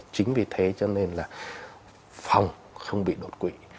chính vì thế cho nên là phòng không bị đột quỵ